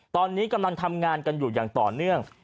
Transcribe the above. ตอนนี้กำลังทำงานกันอยู่อย่างต่อเนื่อง